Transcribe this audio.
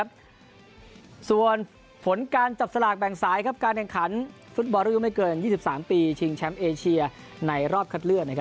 พวกนักเตสาอุไม่เกิน๒๓ปีชิงแชมป์เอเชียในรอบคัดเลือก